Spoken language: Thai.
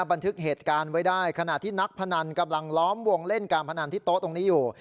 บันทึกเหตุการณ์ไว้ได้ขณะที่นักพนันกำลังล้อมวงเล่นการพนันที่โต๊ะตรงนี้อยู่